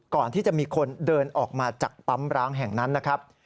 ก่อนที่จะมีคนเดินออกมาจากปั๊มร้างแห่งนั้นนะครับ